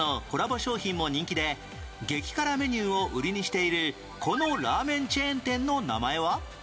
商品も人気で激辛メニューを売りにしているこのラーメンチェーン店の名前は？